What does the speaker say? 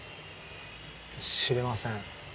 知りません。